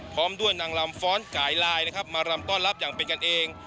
พร้อมด้วยนางลำฟ้อนกายลายนะครับมารำต้อนรับอย่างเป็นกันเอง